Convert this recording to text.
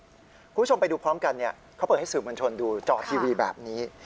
คุณผู้ชมไปดูพร้อมกันเขาเปิดให้สื่อมวลชนดูจอทีวีแบบนี้